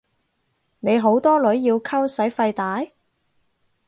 你好多女要溝使費大？